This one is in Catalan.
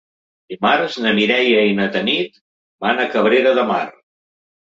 Dimarts na Mireia i na Tanit van a Cabrera de Mar.